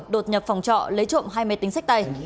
đột nhập phòng trọ lấy trộm hai máy tính sách tay